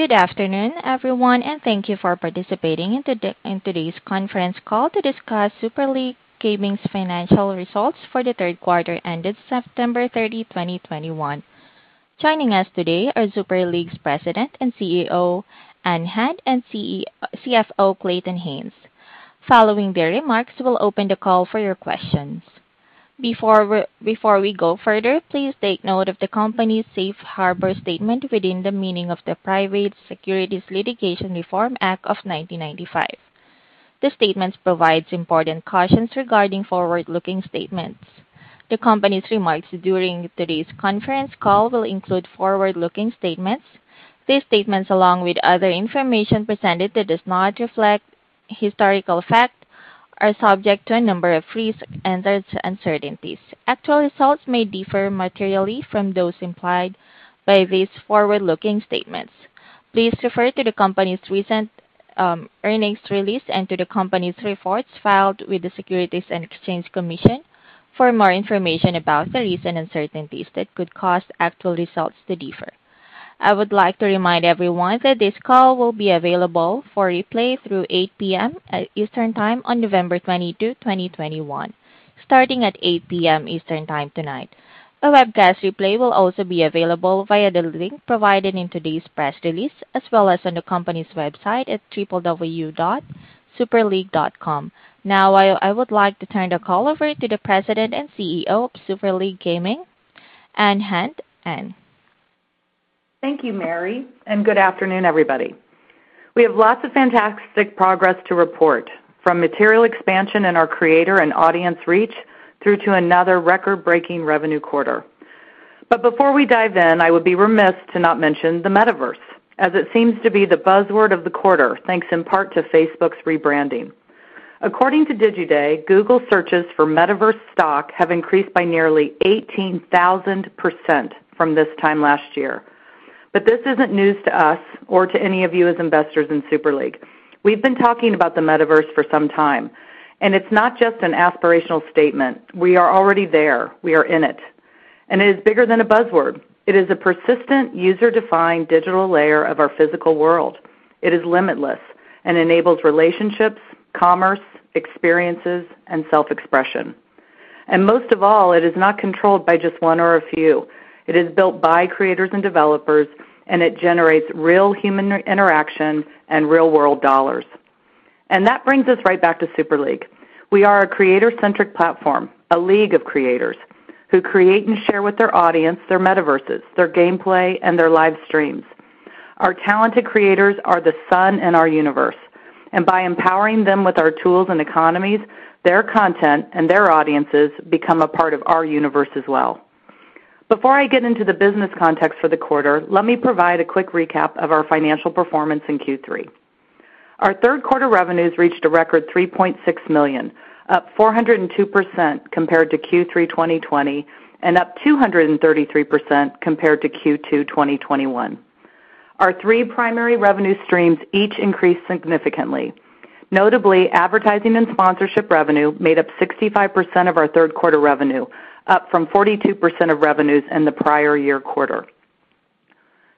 Good afternoon, everyone, and thank you for participating in today's conference call to discuss Super League Gaming's financial results for the third quarter ended September 30, 2021. Joining us today are Super League's President and CEO, Ann Hand, and CFO, Clayton Haynes. Following their remarks, we'll open the call for your questions. Before we go further, please take note of the company's safe harbor statement within the meaning of the Private Securities Litigation Reform Act of 1995. The statement provides important cautions regarding forward-looking statements. The company's remarks during today's conference call will include forward-looking statements. These statements, along with other information presented that does not reflect historical fact, are subject to a number of risks and uncertainties. Actual results may differ materially from those implied by these forward-looking statements. Please refer to the company's recent earnings release and to the company's reports filed with the Securities and Exchange Commission for more information about the recent uncertainties that could cause actual results to differ. I would like to remind everyone that this call will be available for replay through 8:00 P.M. Eastern Time on November 22, 2021, starting at 8:00 P.M. Eastern Time tonight. A webcast replay will also be available via the link provided in today's press release, as well as on the company's website at superleague.com. Now, I would like to turn the call over to the President and CEO of Super League Gaming, Ann Hand. Ann? Thank you, Mary, and good afternoon, everybody. We have lots of fantastic progress to report, from material expansion in our creator and audience reach through to another record-breaking revenue quarter. Before we dive in, I would be remiss to not mention the Metaverse, as it seems to be the buzzword of the quarter, thanks in part to Facebook's rebranding. According to Digiday, Google searches for Metaverse stock have increased by nearly 18,000% from this time last year. This isn't news to us or to any of you as investors in Super League. We've been talking about the Metaverse for some time, and it's not just an aspirational statement. We are already there. We are in it. It is bigger than a buzzword. It is a persistent, user-defined digital layer of our physical world. It is limitless and enables relationships, commerce, experiences, and self-expression. Most of all, it is not controlled by just one or a few. It is built by creators and developers, and it generates real human interaction and real-world dollars. That brings us right back to Super League. We are a creator-centric platform, a league of creators who create and share with their audience, their Metaverses, their gameplay, and their live streams. Our talented creators are the sun in our universe, and by empowering them with our tools and economies, their content and their audiences become a part of our universe as well. Before I get into the business context for the quarter, let me provide a quick recap of our financial performance in Q3. Our third quarter revenues reached a record $3.6 million, up 402% compared to Q3 2020 and up 233% compared to Q2 2021. Our three primary revenue streams each increased significantly. Notably, advertising and sponsorship revenue made up 65% of our third quarter revenue, up from 42% of revenues in the prior year quarter.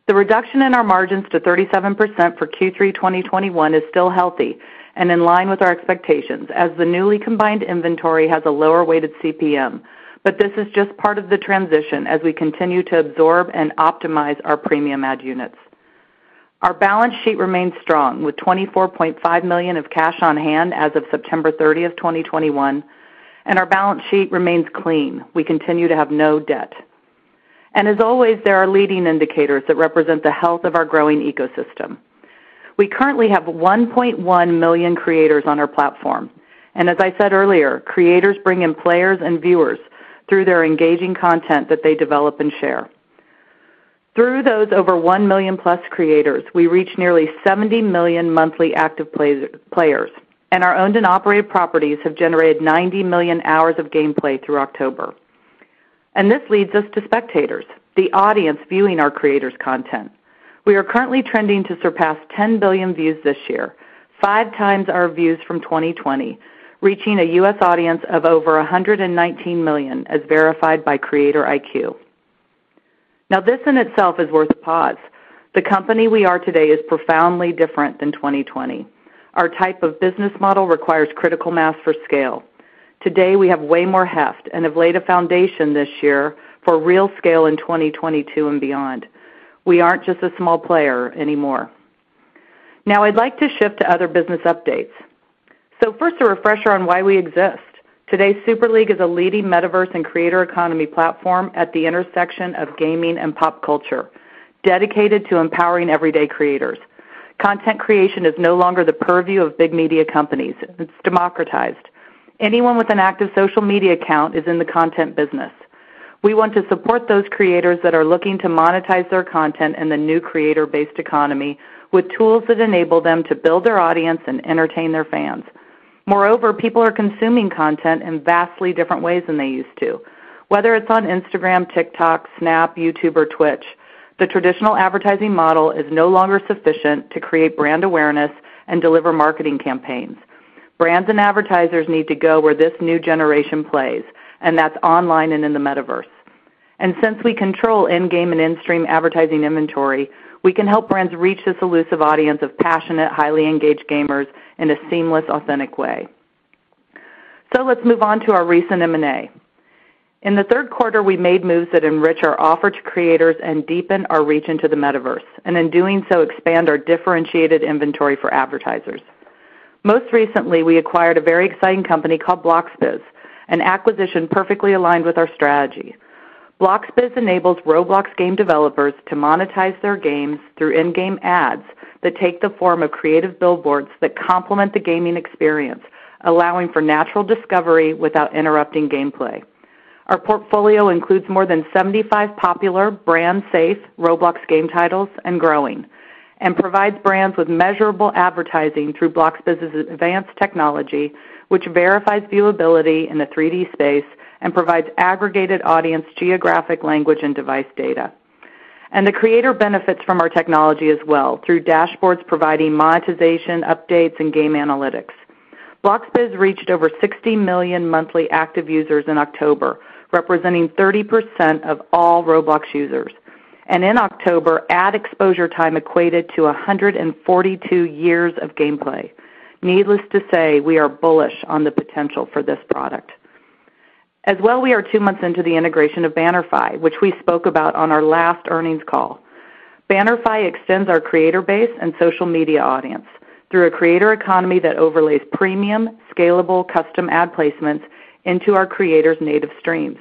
The reduction in our margins to 37% for Q3 2021 is still healthy and in line with our expectations, as the newly combined inventory has a lower weighted CPM. This is just part of the transition as we continue to absorb and optimize our premium ad units. Our balance sheet remains strong, with $24.5 million of cash on hand as of September 30, 2021, and our balance sheet remains clean. We continue to have no debt. As always, there are leading indicators that represent the health of our growing ecosystem. We currently have 1.1 million creators on our platform. As I said earlier, creators bring in players and viewers through their engaging content that they develop and share. Through those over 1 million-plus creators, we reach nearly 70 million monthly active players, and our owned and operated properties have generated 90 million hours of gameplay through October. This leads us to spectators, the audience viewing our creators' content. We are currently trending to surpass 10 billion views this year, five times our views from 2020, reaching a U.S. audience of over 119 million, as verified by CreatorIQ. Now, this in itself is worth a pause. The company we are today is profoundly different than 2020. Our type of business model requires critical mass for scale. Today, we have way more heft and have laid a foundation this year for real scale in 2022 and beyond. We aren't just a small player anymore. Now, I'd like to shift to other business updates. First, a refresher on why we exist. Today, Super League is a leading Metaverse and creator economy platform at the intersection of gaming and pop culture, dedicated to empowering everyday creators. Content creation is no longer the purview of big media companies. It's democratized. Anyone with an active social media account is in the content business. We want to support those creators that are looking to monetize their content in the new creator-based economy, with tools that enable them to build their audience and entertain their fans. Moreover, people are consuming content in vastly different ways than they used to. Whether it's on Instagram, TikTok, Snap, YouTube, or Twitch, the traditional advertising model is no longer sufficient to create brand awareness and deliver marketing campaigns. Brands and advertisers need to go where this new generation plays, and that's online and in the Metaverse. Since we control in-game and in-stream advertising inventory, we can help brands reach this elusive audience of passionate, highly engaged gamers in a seamless, authentic way. Let's move on to our recent M&A. In the third quarter, we made moves that enrich our offer to creators and deepen our reach into the Metaverse, and in doing so, expand our differentiated inventory for advertisers. Most recently, we acquired a very exciting company called Bloxbiz, an acquisition perfectly aligned with our strategy. Bloxbiz enables Roblox game developers to monetize their games through in-game ads that take the form of creative billboards that complement the gaming experience, allowing for natural discovery without interrupting gameplay. Our portfolio includes more than 75 popular brand safe Roblox game titles and growing, and provides brands with measurable advertising through Bloxbiz's advanced technology, which verifies viewability in the 3D space and provides aggregated audience geographic language and device data. The creator benefits from our technology as well, through dashboards providing monetization updates and game analytics. Bloxbiz reached over 60 million monthly active users in October, representing 30% of all Roblox users. In October, ad exposure time equated to 142 years of gameplay. Needless to say, we are bullish on the potential for this product. As well, we are two months into the integration of Bannerfy, which we spoke about on our last earnings call. Bannerfy extends our creator base and social media audience through a creator economy that overlays premium, scalable custom ad placements into our creators' native streams.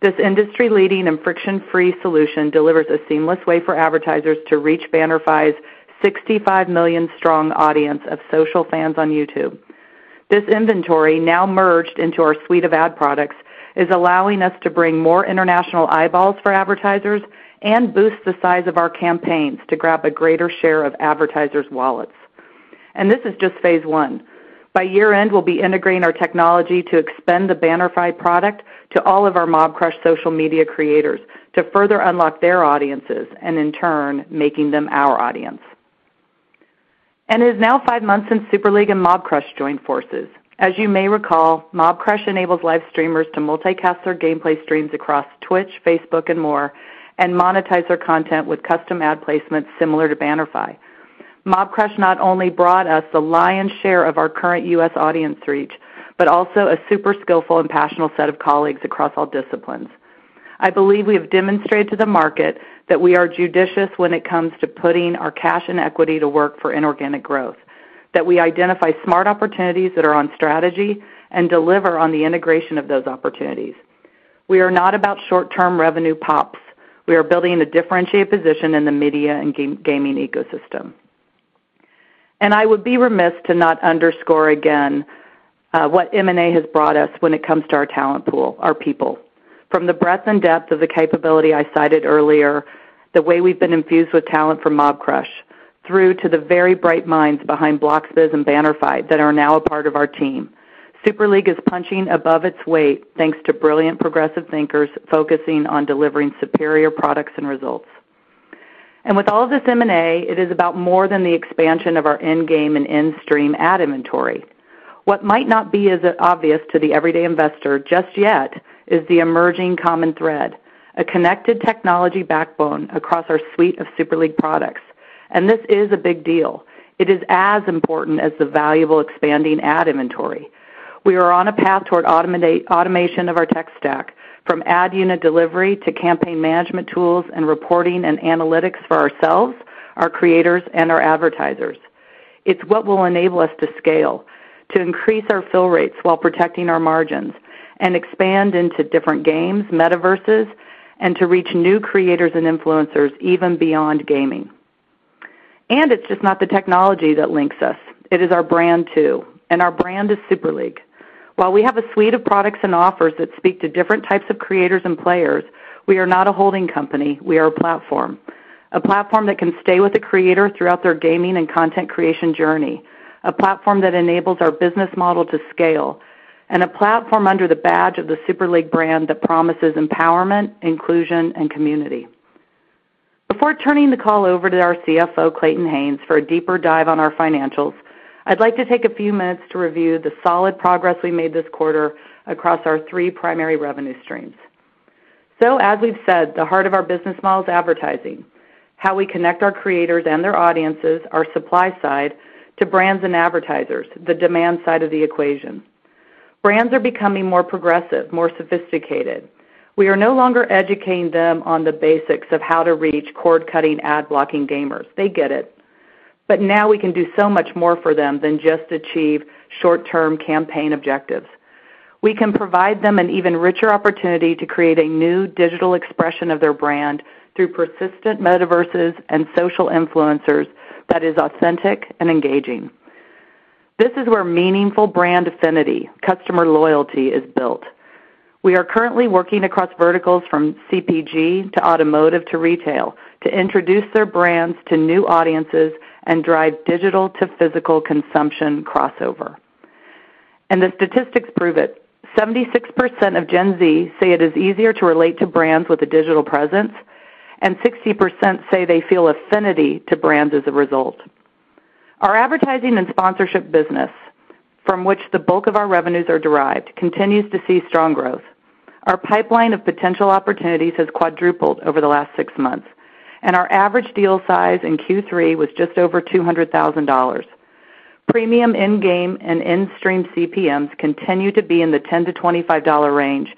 This industry-leading and friction-free solution delivers a seamless way for advertisers to reach Bannerfy's 65 million strong audience of social fans on YouTube. This inventory, now merged into our suite of ad products, is allowing us to bring more international eyeballs for advertisers and boost the size of our campaigns to grab a greater share of advertisers' wallets. This is just phase one. By year-end, we'll be integrating our technology to expand the Bannerfy product to all of our Mobcrush social media creators to further unlock their audiences, and in turn, making them our audience. It is now five months since Super League and Mobcrush joined forces. As you may recall, Mobcrush enables live streamers to multicast their gameplay streams across Twitch, Facebook, and more, and monetize their content with custom ad placements similar to Bannerfy. Mobcrush not only brought us the lion's share of our current U.S. audience reach, but also a super skillful and passionate set of colleagues across all disciplines. I believe we have demonstrated to the market that we are judicious when it comes to putting our cash and equity to work for inorganic growth, that we identify smart opportunities that are on strategy and deliver on the integration of those opportunities. We are not about short-term revenue pops. We are building a differentiated position in the media and gaming ecosystem. I would be remiss to not underscore again, what M&A has brought us when it comes to our talent pool, our people. From the breadth and depth of the capability I cited earlier, the way we've been infused with talent from Mobcrush through to the very bright minds behind Bloxbiz and Bannerfy that are now a part of our team. Super League is punching above its weight, thanks to brilliant, progressive thinkers focusing on delivering superior products and results. With all of this M&A, it is about more than the expansion of our in-game and in-stream ad inventory. What might not be as obvious to the everyday investor just yet is the emerging common thread, a connected technology backbone across our suite of Super League products. This is a big deal. It is as important as the valuable expanding ad inventory. We are on a path toward automation of our tech stack, from ad unit delivery to campaign management tools, and reporting, and analytics for ourselves, our creators, and our advertisers. It's what will enable us to scale, to increase our fill rates while protecting our margins and expand into different games, Metaverses, and to reach new creators and influencers even beyond gaming. It's just not the technology that links us. It is our brand too, and our brand is Super League. While we have a suite of products and offers that speak to different types of creators and players, we are not a holding company, we are a platform. A platform that can stay with the creator throughout their gaming and content creation journey, a platform that enables our business model to scale, and a platform under the badge of the Super League brand that promises empowerment, inclusion, and community. Before turning the call over to our CFO, Clayton Haynes, for a deeper dive on our financials, I'd like to take a few minutes to review the solid progress we made this quarter across our three primary revenue streams. As we've said, the heart of our business model is advertising. How we connect our creators and their audiences, our supply side, to brands and advertisers, the demand side of the equation. Brands are becoming more progressive, more sophisticated. We are no longer educating them on the basics of how to reach cord-cutting ad blocking gamers. They get it. Now we can do so much more for them than just achieve short-term campaign objectives. We can provide them an even richer opportunity to create a new digital expression of their brand through persistent Metaverses and social influencers that is authentic and engaging. This is where meaningful brand affinity, customer loyalty is built. We are currently working across verticals from CPG to automotive to retail, to introduce their brands to new audiences and drive digital to physical consumption crossover. The statistics prove it. 76% of Gen Z say it is easier to relate to brands with a digital presence, and 60% say they feel affinity to brands as a result. Our advertising and sponsorship business, from which the bulk of our revenues are derived, continues to see strong growth. Our pipeline of potential opportunities has quadrupled over the last six months, and our average deal size in Q3 was just over $200,000. Premium in-game and in-stream CPMs continue to be in the $10-$25 range,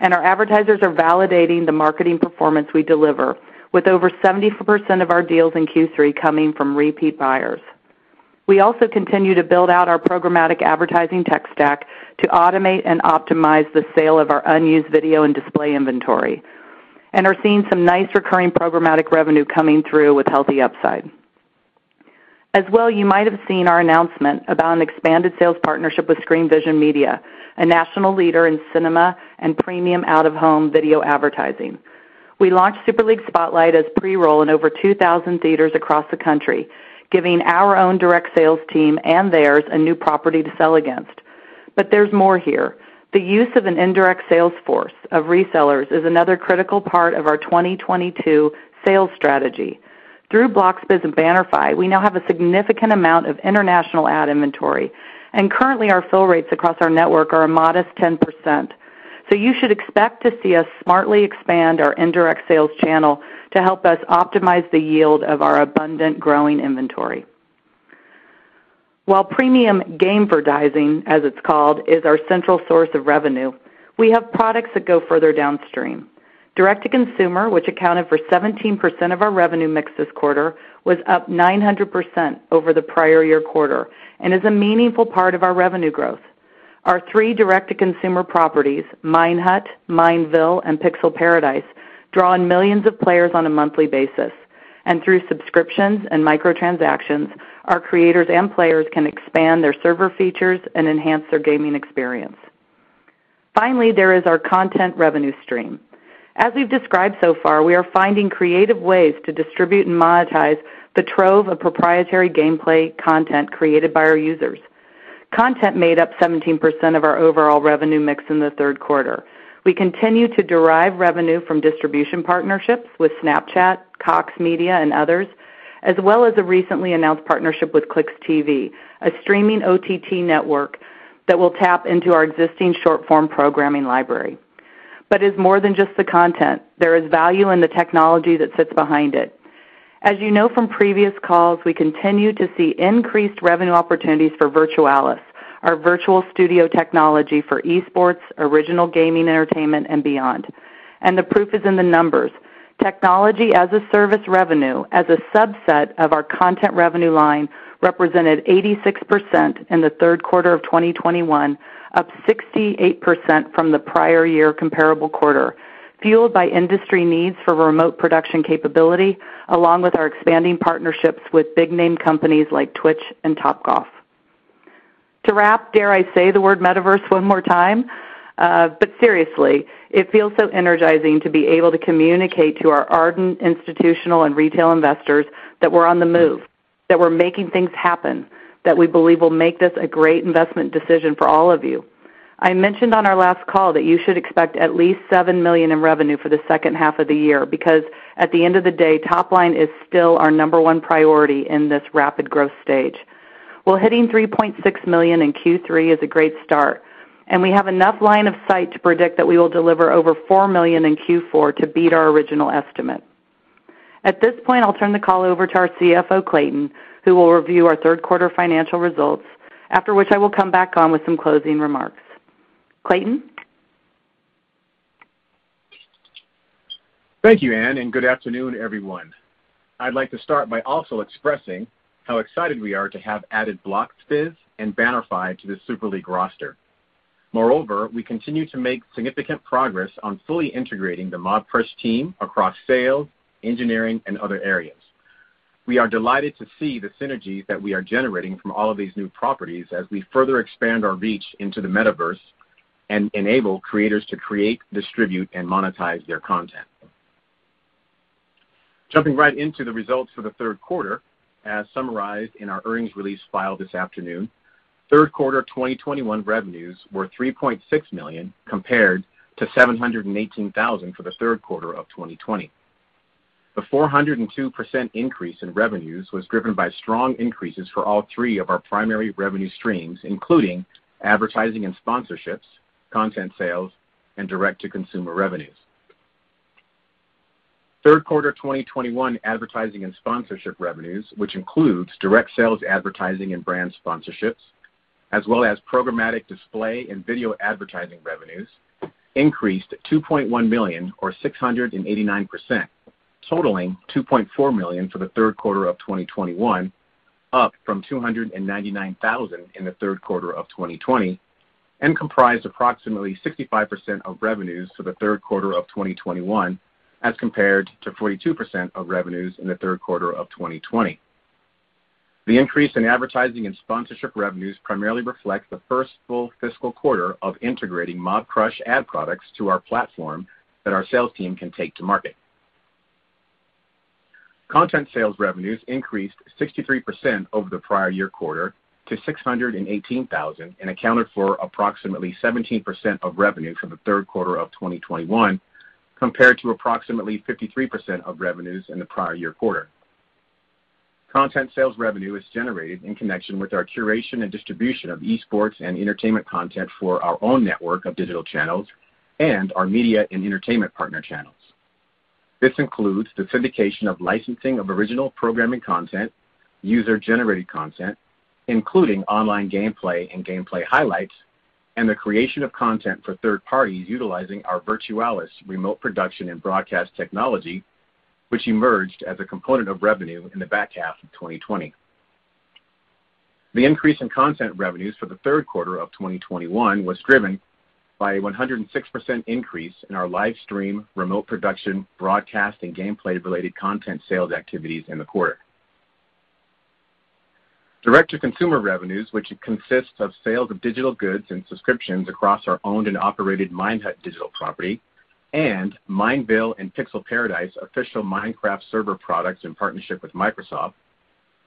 and our advertisers are validating the marketing performance we deliver, with over 70% of our deals in Q3 coming from repeat buyers. We also continue to build out our programmatic advertising tech stack to automate and optimize the sale of our unused video and display inventory, and are seeing some nice recurring programmatic revenue coming through with healthy upside. As well, you might have seen our announcement about an expanded sales partnership with Screenvision Media, a national leader in cinema and premium out-of-home video advertising. We launched Super League Spotlight as pre-roll in over 2,000 theaters across the country, giving our own direct sales team and theirs a new property to sell against. There's more here. The use of an indirect sales force of resellers is another critical part of our 2022 sales strategy. Through Bloxbiz and Bannerfy, we now have a significant amount of international ad inventory, and currently our fill rates across our network are a modest 10%. You should expect to see us smartly expand our indirect sales channel to help us optimize the yield of our abundant growing inventory. While premium gamevertising, as it's called, is our central source of revenue, we have products that go further downstream. Direct-to-consumer, which accounted for 17% of our revenue mix this quarter, was up 900% over the prior year quarter and is a meaningful part of our revenue growth. Our three direct-to-consumer properties, Minehut, Mineville, and Pixel Paradise, draw in millions of players on a monthly basis. Through subscriptions and micro-transactions, our creators and players can expand their server features and enhance their gaming experience. Finally, there is our content revenue stream. As we've described so far, we are finding creative ways to distribute and monetize the trove of proprietary gameplay content created by our users. Content made up 17% of our overall revenue mix in the third quarter. We continue to derive revenue from distribution partnerships with Snapchat, Cox Media, and others, as well as a recently announced partnership with ClixTV, a streaming OTT network that will tap into our existing short-form programming library. It's more than just the content. There is value in the technology that sits behind it. As you know from previous calls, we continue to see increased revenue opportunities for Virtualis, our virtual studio technology for e-sports, original gaming, entertainment, and beyond. The proof is in the numbers. Technology as a service revenue as a subset of our content revenue line represented 86% in the third quarter of 2021, up 68% from the prior year comparable quarter, fueled by industry needs for remote production capability, along with our expanding partnerships with big name companies like Twitch and Topgolf. To wrap, dare I say the word Metaverse one more time? Seriously, it feels so energizing to be able to communicate to our ardent institutional and retail investors that we're on the move, that we're making things happen, that we believe will make this a great investment decision for all of you. I mentioned on our last call that you should expect at least $7 million in revenue for the second half of the year because, at the end of the day, top line is still our number one priority in this rapid growth stage. Well, hitting $3.6 million in Q3 is a great start, and we have enough line of sight to predict that we will deliver over $4 million in Q4 to beat our original estimate. At this point, I'll turn the call over to our CFO, Clayton, who will review our third quarter financial results. After which I will come back on with some closing remarks. Clayton? Thank you, Anne, and good afternoon, everyone. I'd like to start by also expressing how excited we are to have added Bloxbiz and Bannerfy to the Super League roster. Moreover, we continue to make significant progress on fully integrating the Mobcrush team across sales, engineering, and other areas. We are delighted to see the synergy that we are generating from all of these new properties as we further expand our reach into the Metaverse and enable creators to create, distribute, and monetize their content. Jumping right into the results for the third quarter, as summarized in our earnings release filed this afternoon, third quarter 2021 revenues were $3.6 million compared to $718,000 for the third quarter of 2020. The 402% increase in revenues was driven by strong increases for all three of our primary revenue streams, including advertising and sponsorships, content sales, and direct-to-consumer revenues. Third quarter 2021 advertising and sponsorship revenues, which includes direct sales, advertising, and brand sponsorships, as well as programmatic display and video advertising revenues, increased to $2.1 million or 689%, totaling $2.4 million for the third quarter of 2021, up from $299,000 in the third quarter of 2020, and comprised approximately 65% of revenues for the third quarter of 2021 as compared to 42% of revenues in the third quarter of 2020. The increase in advertising and sponsorship revenues primarily reflect the first full fiscal quarter of integrating Mobcrush ad products to our platform that our sales team can take to market. Content sales revenues increased 63% over the prior year quarter to $618,000 and accounted for approximately 17% of revenue for the third quarter of 2021, compared to approximately 53% of revenues in the prior year quarter. Content sales revenue is generated in connection with our curation and distribution of esports and entertainment content for our own network of digital channels and our media and entertainment partner channels. This includes the syndication of licensing of original programming content, user-generated content, including online gameplay and gameplay highlights, and the creation of content for third parties utilizing our Virtualis remote production and broadcast technology, which emerged as a component of revenue in the back half of 2020. The increase in content revenues for the third quarter of 2021 was driven by a 106% increase in our live stream, remote production, broadcast, and gameplay-related content sales activities in the quarter. Direct-to-consumer revenues, which consists of sales of digital goods and subscriptions across our owned and operated Minehut digital property and Mineville and Pixel Paradise official Minecraft server products in partnership with Microsoft,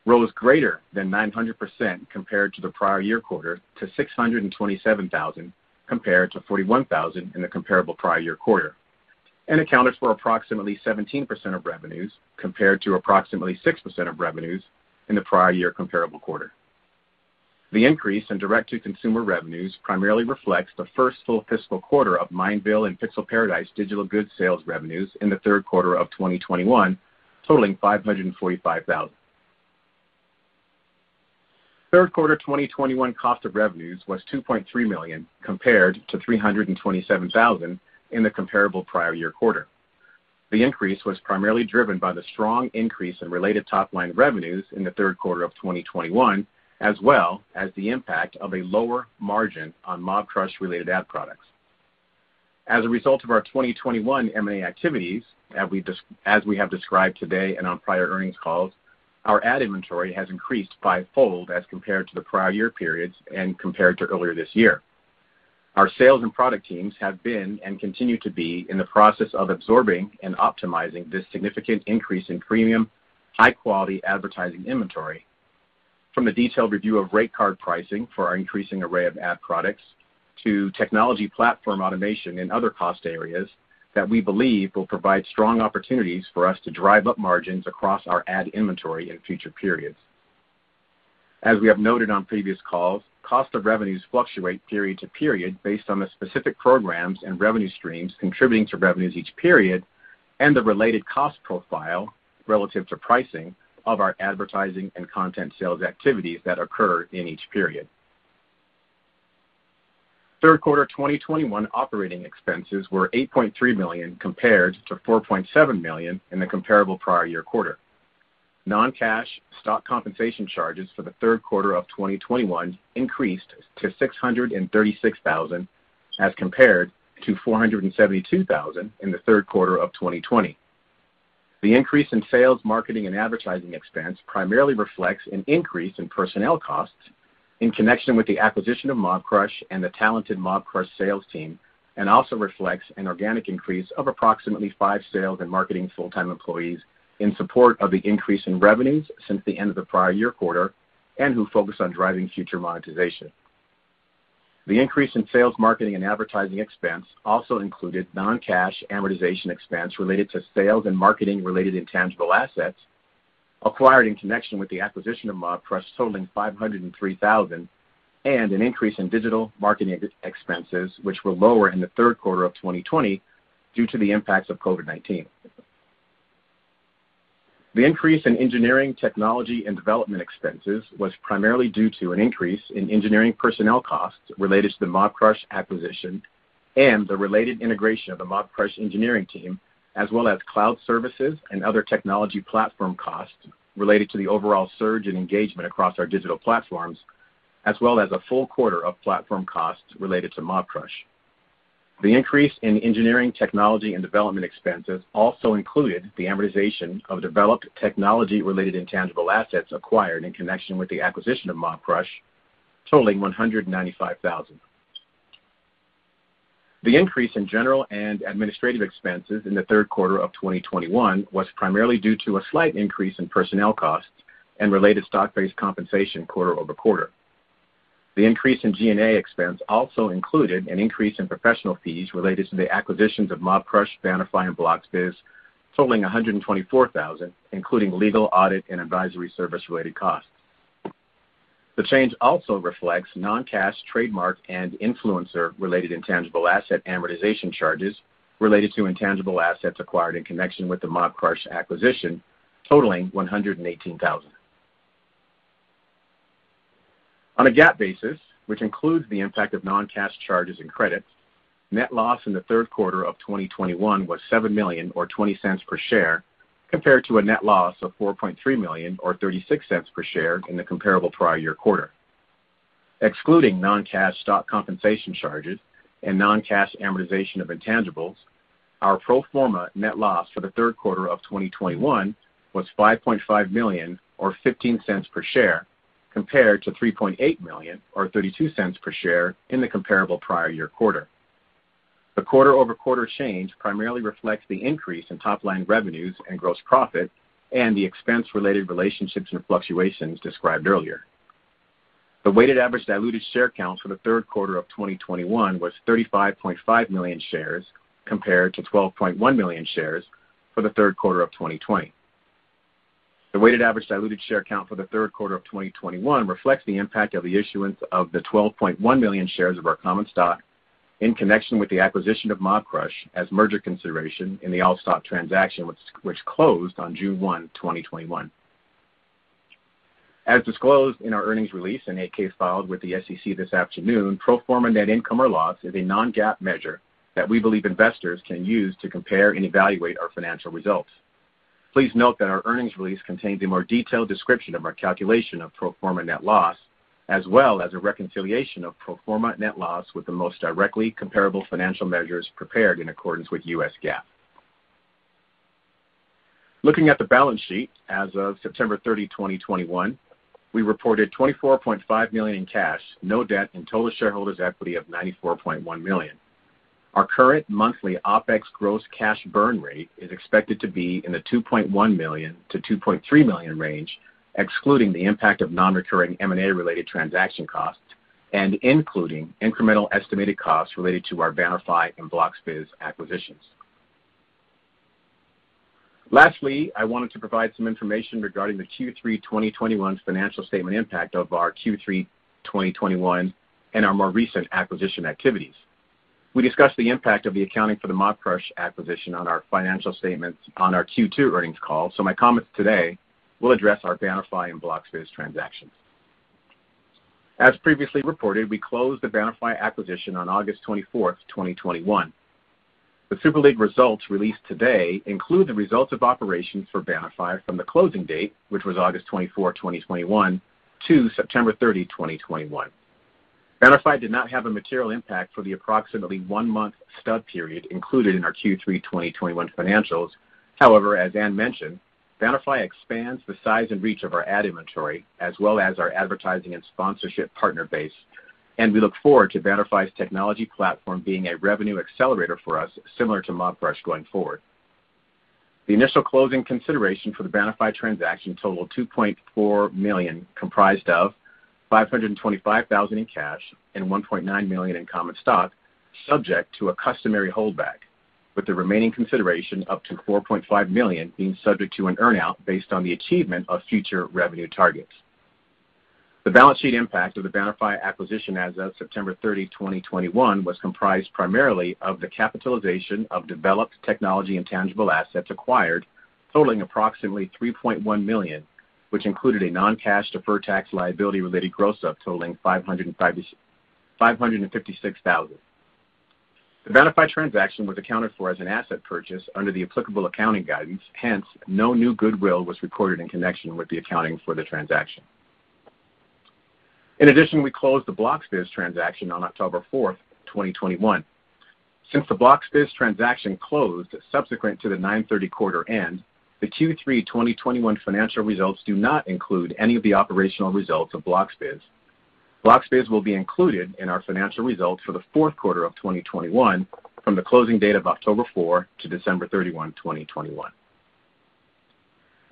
rose greater than 900% compared to the prior year quarter to $627,000 compared to $41,000 in the comparable prior year quarter, and accounted for approximately 17% of revenues compared to approximately 6% of revenues in the prior year comparable quarter. The increase in direct-to-consumer revenues primarily reflects the first full fiscal quarter of Mineville and Pixel Paradise digital goods sales revenues in the third quarter of 2021, totaling $545,000. Third quarter 2021 cost of revenues was $2.3 million compared to $327,000 in the comparable prior year quarter. The increase was primarily driven by the strong increase in related top-line revenues in the third quarter of 2021, as well as the impact of a lower margin on Mobcrush-related ad products. As a result of our 2021 M&A activities that we have described today and on prior earnings calls, our ad inventory has increased five-fold as compared to the prior year periods and compared to earlier this year. Our sales and product teams have been and continue to be in the process of absorbing and optimizing this significant increase in premium high-quality advertising inventory, from the detailed review of rate card pricing for our increasing array of ad products, to technology platform automation and other cost areas that we believe will provide strong opportunities for us to drive up margins across our ad inventory in future periods. As we have noted on previous calls, cost of revenues fluctuate period to period based on the specific programs and revenue streams contributing to revenues each period and the related cost profile relative to pricing of our advertising and content sales activities that occur in each period. Third quarter 2021 operating expenses were $8.3 million compared to $4.7 million in the comparable prior year quarter. Non-cash stock compensation charges for the third quarter of 2021 increased to $636,000 as compared to $472,000 in the third quarter of 2020. The increase in sales, marketing, and advertising expense primarily reflects an increase in personnel costs in connection with the acquisition of Mobcrush and the talented Mobcrush sales team and also reflects an organic increase of approximately 5 sales and marketing full-time employees in support of the increase in revenues since the end of the prior year quarter and who focus on driving future monetization. The increase in sales, marketing, and advertising expense also included non-cash amortization expense related to sales and marketing-related intangible assets acquired in connection with the acquisition of Mobcrush totaling $503,000, and an increase in digital marketing expenses which were lower in the third quarter of 2020 due to the impacts of COVID-19. The increase in engineering, technology and development expenses was primarily due to an increase in engineering personnel costs related to the Mobcrush acquisition and the related integration of the Mobcrush engineering team, as well as cloud services and other technology platform costs related to the overall surge in engagement across our digital platforms, as well as a full quarter of platform costs related to Mobcrush. The increase in engineering, technology, and development expenses also included the amortization of developed technology-related intangible assets acquired in connection with the acquisition of Mobcrush, totaling $195,000. The increase in general and administrative expenses in the third quarter of 2021 was primarily due to a slight increase in personnel costs and related stock-based compensation quarter-over-quarter. The increase in G&A expense also included an increase in professional fees related to the acquisitions of Mobcrush, Bannerfy, and Bloxbiz, totaling $124,000, including legal, audit, and advisory service-related costs. The change also reflects non-cash trademark and influencer-related intangible asset amortization charges, related to intangible assets acquired in connection with the Mobcrush acquisition, totaling $118,000. On a GAAP basis, which includes the impact of non-cash charges and credits, net loss in the third quarter of 2021 was $7 million or $0.20 per share, compared to a net loss of $4.3 million or $0.36 per share in the comparable prior year quarter. Excluding non-cash stock compensation charges and non-cash amortization of intangibles, our pro forma net loss for the third quarter of 2021 was $5.5 million or $0.15 per share, compared to $3.8 million or $0.32 per share in the comparable prior year quarter. The quarter-over-quarter change primarily reflects the increase in top-line revenues and gross profit and the expense-related relationships and fluctuations described earlier. The weighted average diluted share count for the third quarter of 2021 was 35.5 million shares compared to 12.1 million shares for the third quarter of 2020. The weighted average diluted share count for the third quarter of 2021 reflects the impact of the issuance of the 12.1 million shares of our common stock in connection with the acquisition of Mobcrush as merger consideration in the all-stock transaction which closed on June 1, 2021. As disclosed in our earnings release and 8-K filed with the SEC this afternoon, pro forma net income or loss is a non-GAAP measure that we believe investors can use to compare and evaluate our financial results. Please note that our earnings release contains a more detailed description of our calculation of pro forma net loss, as well as a reconciliation of pro forma net loss with the most directly comparable financial measures prepared in accordance with US GAAP. Looking at the balance sheet as of September 30, 2021, we reported $24.5 million in cash, no debt, and total shareholders' equity of $94.1 million. Our current monthly OpEx gross cash burn rate is expected to be in the $2.1 million-$2.3 million range, excluding the impact of non-recurring M&A-related transaction costs and including incremental estimated costs related to our Bannerfy and Bloxbiz acquisitions. Lastly, I wanted to provide some information regarding the Q3 2021 financial statement impact of our Q3 2021 and our more recent acquisition activities. We discussed the impact of the accounting for the Mobcrush acquisition on our financial statements on our Q2 earnings call, so my comments today will address our Bannerfy and Bloxbiz transactions. As previously reported, we closed the Bannerfy acquisition on August 24, 2021. The Super League results released today include the results of operations for Bannerfy from the closing date, which was August 24, 2021, to September 30, 2021. Bannerfy did not have a material impact for the approximately one-month stub period included in our Q3 2021 financials. However, as Anne mentioned, Bannerfy expands the size and reach of our ad inventory, as well as our advertising and sponsorship partner base, and we look forward to Bannerfy's technology platform being a revenue accelerator for us, similar to Mobcrush going forward. The initial closing consideration for the Bannerfy transaction totaled $2.4 million, comprised of $525,000 in cash and $1.9 million in common stock, subject to a customary holdback, with the remaining consideration up to $4.5 million being subject to an earn-out based on the achievement of future revenue targets. The balance sheet impact of the Bannerfy acquisition as of September 30, 2021, was comprised primarily of the capitalization of developed technology and tangible assets acquired, totaling approximately $3.1 million, which included a non-cash deferred tax liability-related gross-up totaling $556,000. The Bannerfy transaction was accounted for as an asset purchase under the applicable accounting guidance. Hence, no new goodwill was recorded in connection with the accounting for the transaction. In addition, we closed the Bloxbiz transaction on October 4, 2021. Since the Bloxbiz transaction closed subsequent to the 9/30 quarter end, the Q3 2021 financial results do not include any of the operational results of Bloxbiz. Bloxbiz will be included in our financial results for the fourth quarter of 2021 from the closing date of October 4 to December 31, 2021.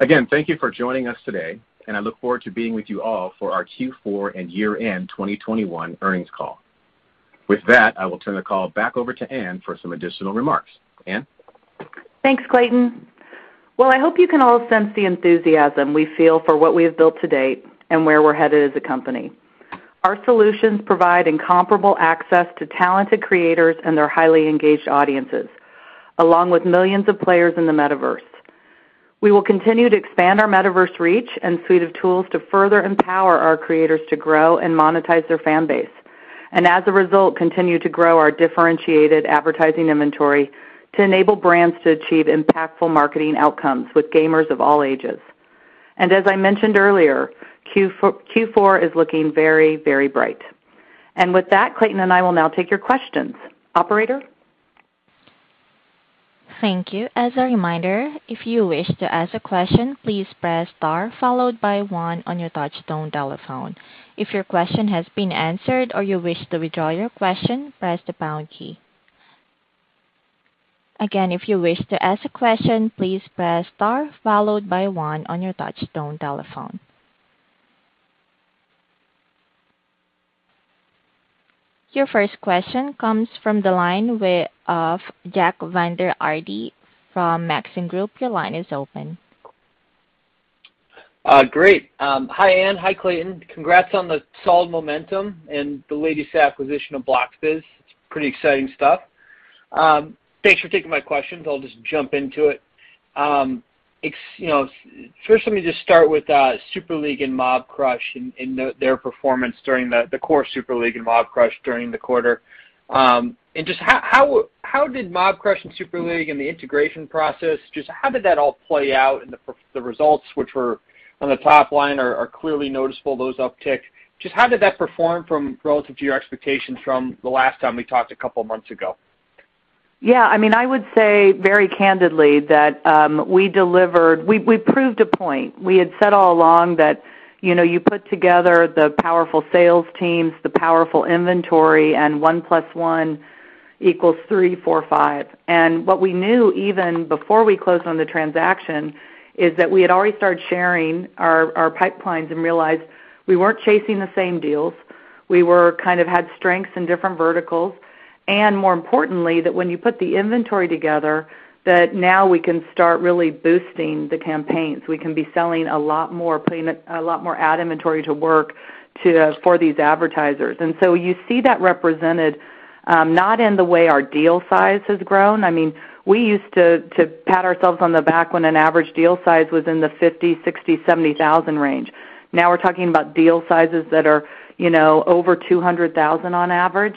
Again, thank you for joining us today, and I look forward to being with you all for our Q4 and year-end 2021 earnings call. With that, I will turn the call back over to Ann for some additional remarks. Ann? Thanks, Clayton. Well, I hope you can all sense the enthusiasm we feel for what we have built to date and where we're headed as a company. Our solutions provide incomparable access to talented creators and their highly engaged audiences, along with millions of players in the Metaverse. We will continue to expand our Metaverse reach and suite of tools to further empower our creators to grow and monetize their fan base. As a result, continue to grow our differentiated advertising inventory to enable brands to achieve impactful marketing outcomes with gamers of all ages. As I mentioned earlier, Q4 is looking very, very bright. With that, Clayton and I will now take your questions. Operator? Thank you. As a reminder, if you wish to ask a question, please press star followed by one on your touchtone telephone. If your question has been answered or you wish to withdraw your question, press the pound key. Again, if you wish to ask a question, please press star followed by one on your touchtone telephone. Your first question comes from the line of Jack Vander Aarde from Maxim Group. Your line is open. Great. Hi, Ann. Hi, Clayton. Congrats on the solid momentum and the latest acquisition of Bloxbiz. It's pretty exciting stuff. Thanks for taking my questions. I'll just jump into it. You know, first let me just start with Super League and Mobcrush and their performance during the core Super League and Mobcrush during the quarter. Just how did Mobcrush and Super League and the integration process, just how did that all play out in the results which were on the top line are clearly noticeable, those upticks. Just how did that perform relative to your expectations from the last time we talked a couple of months ago? Yeah, I mean, I would say very candidly that we delivered. We proved a point. We had said all along that, you know, you put together the powerful sales teams, the powerful inventory, and one plus one equals three, four, five. What we knew even before we closed on the transaction is that we had already started sharing our pipelines and realized we weren't chasing the same deals. We kind of had strengths in different verticals. More importantly, that when you put the inventory together, that now we can start really boosting the campaigns. We can be selling a lot more, putting a lot more ad inventory to work for these advertisers. You see that represented not in the way our deal size has grown. I mean, we used to pat ourselves on the back when an average deal size was in the $50 thousand, $60 thousand, $70 thousand range. Now we're talking about deal sizes that are, you know, over $200 thousand on average.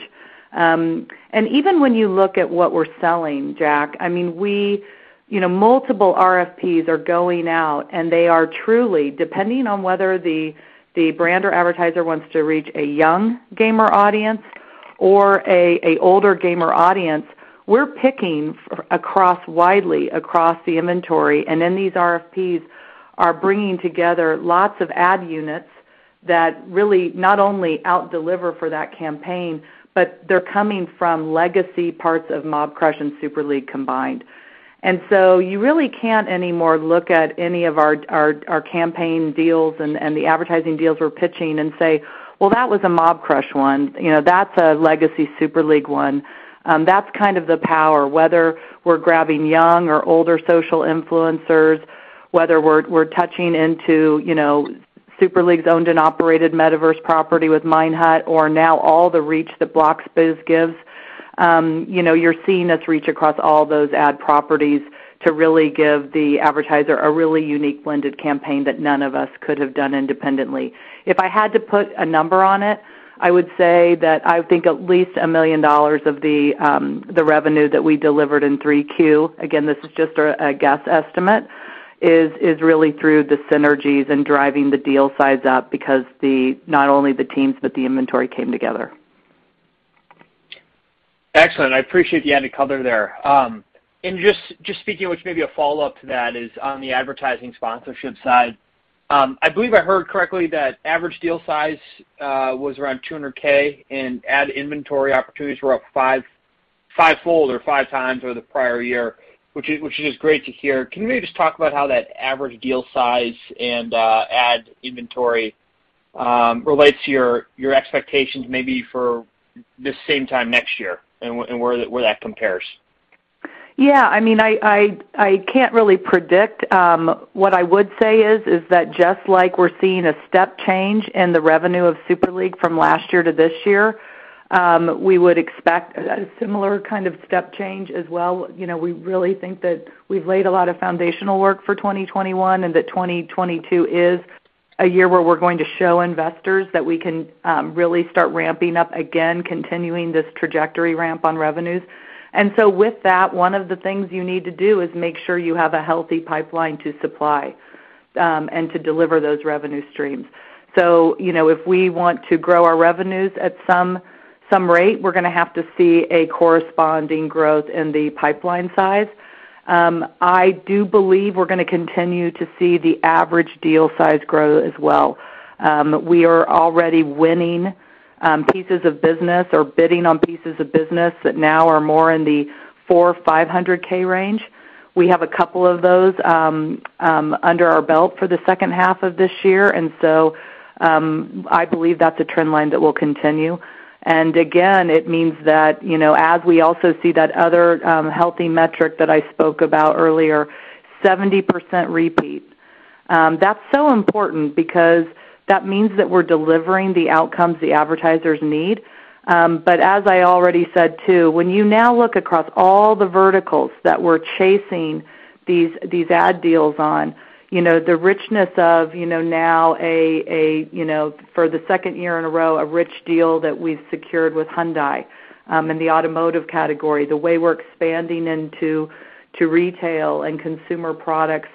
Even when you look at what we're selling, Jack, I mean, you know, multiple RFPs are going out, and they are truly, depending on whether the brand or advertiser wants to reach a young gamer audience or a older gamer audience, we're picking widely across the inventory. Then these RFPs are bringing together lots of ad units that really not only out-deliver for that campaign, but they're coming from legacy parts of Mobcrush and Super League combined. You really can't anymore look at any of our our campaign deals and the advertising deals we're pitching and say, "Well, that was a Mobcrush one. You know, that's a legacy Super League one." That's kind of the power. Whether we're grabbing young or older social influencers, whether we're touching into, you know, Super League's owned and operated Metaverse property with Minehut or now all the reach that Bloxbiz gives, you know, you're seeing us reach across all those ad properties to really give the advertiser a really unique blended campaign that none of us could have done independently. If I had to put a number on it, I would say that I think at least $1 million of the revenue that we delivered in 3Q, again, this is just a guess estimate, is really through the synergies and driving the deal size up because not only the teams, but the inventory came together. Excellent. I appreciate you adding color there. Just speaking, which may be a follow-up to that, is on the advertising sponsorship side. I believe I heard correctly that average deal size was around 200K and ad inventory opportunities were up fivefold or five times over the prior year, which is just great to hear. Can you maybe just talk about how that average deal size and ad inventory relates to your expectations maybe for this same time next year, and where that compares? Yeah, I mean, I can't really predict. What I would say is that just like we're seeing a step change in the revenue of Super League from last year to this year, we would expect a similar kind of step change as well. You know, we really think that we've laid a lot of foundational work for 2021 and that 2022 is a year where we're going to show investors that we can really start ramping up again, continuing this trajectory ramp on revenues. With that, one of the things you need to do is make sure you have a healthy pipeline to supply and to deliver those revenue streams. You know, if we want to grow our revenues at some rate, we're gonna have to see a corresponding growth in the pipeline size. I do believe we're gonna continue to see the average deal size grow as well. We are already winning pieces of business, or bidding on pieces of business, that now are more in the $400K-$500K range. We have a couple of those under our belt for the second half of this year. Again, it means that, you know, as we also see that other healthy metric that I spoke about earlier, 70% repeat. That's so important because that means that we're delivering the outcomes the advertisers need. As I already said too, when you now look across all the verticals that we're chasing these ad deals on, you know, the richness of, you know, now for the second year in a row, a rich deal that we've secured with Hyundai in the automotive category, the way we're expanding into retail and consumer products,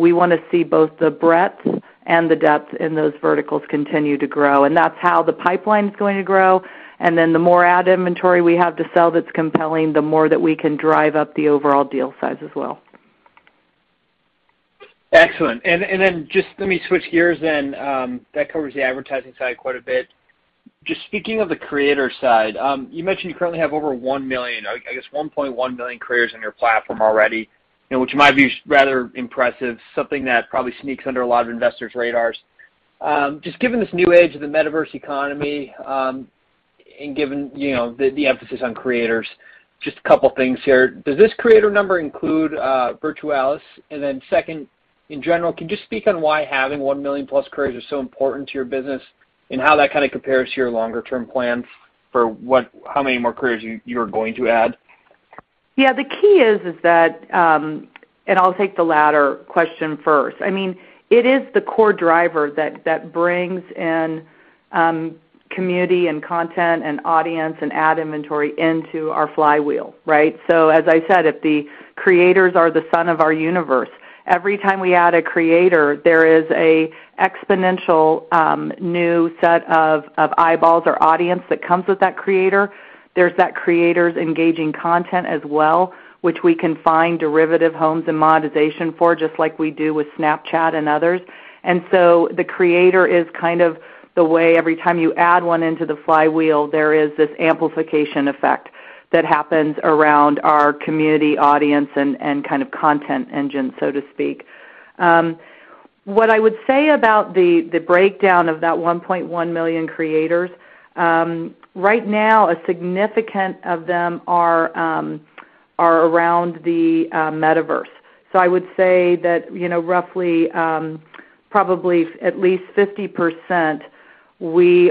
we wanna see both the breadth and the depth in those verticals continue to grow. That's how the pipeline's going to grow. Then the more ad inventory we have to sell that's compelling, the more that we can drive up the overall deal size as well. Excellent. Just let me switch gears then, that covers the advertising side quite a bit. Just speaking of the creator side, you mentioned you currently have over 1 million, I guess 1.1 million creators on your platform already, you know, which in my view is rather impressive, something that probably sneaks under a lot of investors' radars. Just given this new age of the Metaverse economy, and given, you know, the emphasis on creators, just a couple things here. Does this creator number include Virtualis? Second, in general, can you just speak on why having 1 million+ creators is so important to your business, and how that kind of compares to your longer-term plans for how many more creators you're going to add? Yeah. The key is that, and I'll take the latter question first. I mean, it is the core driver that brings in community and content and audience and ad inventory into our flywheel, right? As I said, if the creators are the sun of our universe, every time we add a creator, there is an exponential new set of eyeballs or audience that comes with that creator. There's that creator's engaging content as well, which we can find derivative homes and monetization for, just like we do with Snapchat and others. The creator is kind of the way every time you add one into the flywheel, there is this amplification effect that happens around our community audience and kind of content engine, so to speak. What I would say about the breakdown of that 1.1 million creators, right now, a significant number of them are around the Metaverse. I would say that, you know, roughly, probably at least 50%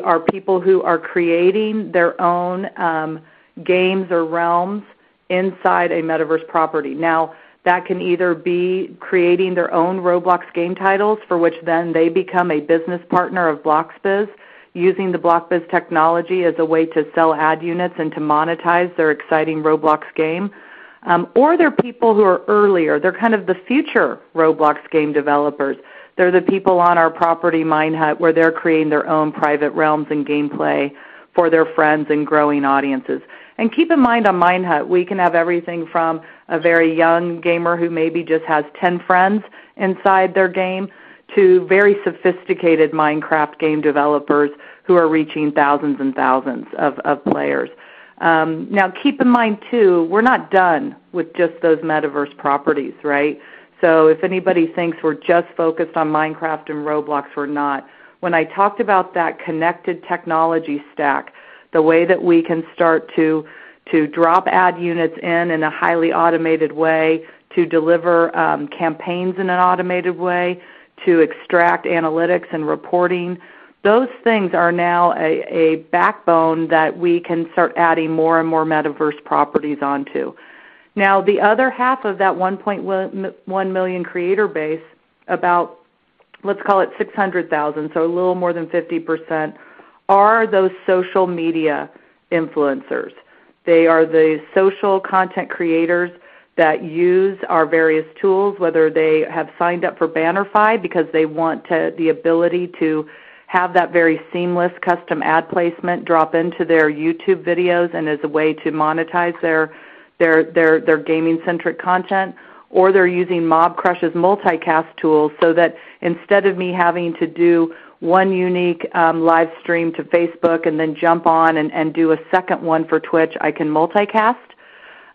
are people who are creating their own games or realms inside a Metaverse property. Now, that can either be creating their own Roblox game titles, for which then they become a business partner of Bloxbiz, using the Bloxbiz technology as a way to sell ad units and to monetize their exciting Roblox game. They're people who are earlier. They're kind of the future Roblox game developers. They're the people on our property, Minehut, where they're creating their own private realms and gameplay for their friends and growing audiences. Keep in mind, on Minehut, we can have everything from a very young gamer who maybe just has 10 friends inside their game, to very sophisticated Minecraft game developers who are reaching thousands and thousands of players. Now keep in mind too, we're not done with just those Metaverse properties, right? If anybody thinks we're just focused on Minecraft and Roblox, we're not. When I talked about that connected technology stack, the way that we can start to drop ad units in a highly automated way, to deliver campaigns in an automated way, to extract analytics and reporting. Those things are now a backbone that we can start adding more and more Metaverse properties onto. Now, the other half of that 1.1 million creator base, about, let's call it 600,000, so a little more than 50%, are those social media influencers. They are the social content creators that use our various tools, whether they have signed up for Bannerfy, because they want the ability to have that very seamless custom ad placement drop into their YouTube videos, and as a way to monetize their gaming-centric content. They're using Mobcrush's multicast tools, so that instead of me having to do one unique live stream to Facebook and then jump on and do a second one for Twitch, I can multicast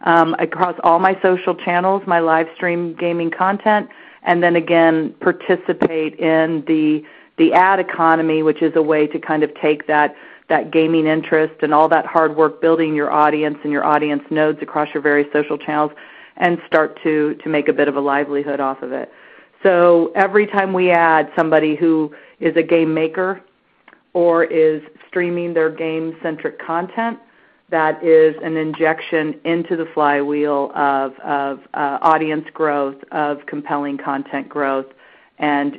across all my social channels, my live stream gaming content, and then again participate in the ad economy, which is a way to kind of take that gaming interest and all that hard work building your audience, and your audience nodes across your various social channels, and start to make a bit of a livelihood off of it. Every time we add somebody who is a game maker or is streaming their game-centric content, that is an injection into the flywheel of audience growth, of compelling content growth, and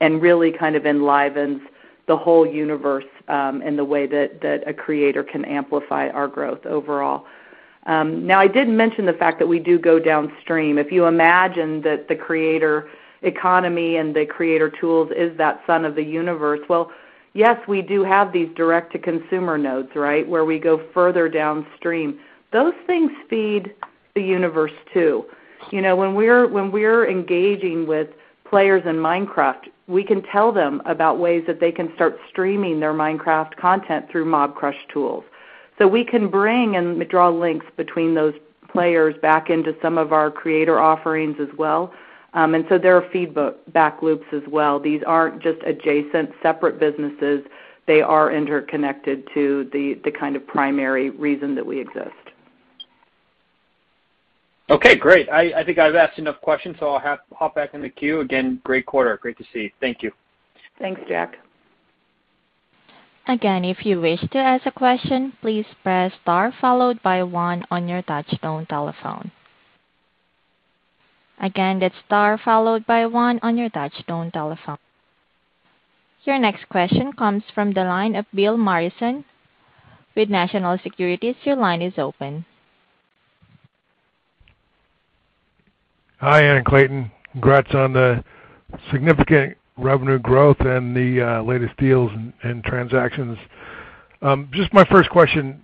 really kind of enlivens the whole universe, in the way that a creator can amplify our growth overall. Now I did mention the fact that we do go downstream. If you imagine that the creator economy and the creator tools is that sun of the universe, well, yes, we do have these direct-to-consumer nodes, right? Where we go further downstream. Those things feed the universe, too. You know, when we're engaging with players in Minecraft, we can tell them about ways that they can start streaming their Minecraft content through Mobcrush tools. We can bring and draw links between those players back into some of our creator offerings as well. There are feedback loops as well. These aren't just adjacent separate businesses. They are interconnected to the kind of primary reason that we exist. Okay, great. I think I've asked enough questions, so I'll hop back in the queue. Again, great quarter. Great to see you. Thank you. Thanks, Jack. Your next question comes from the line of Bill Morrison with National Securities. Your line is open. Hi, Ann and Clayton. Congrats on the significant revenue growth and the latest deals and transactions. Just my first question.